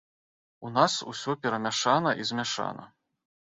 У нас усё перамяшана і змяшана.